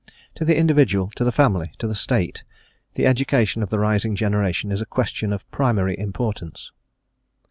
To the individual, to the family, to the State, the education of the rising generation is a question of primary importance.